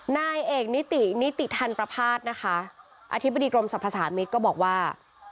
นายเอกนิตินิติทันประภาษณ์นะคะอธิบดีกรมศัพท์ภาษามิตรก็บอกว่า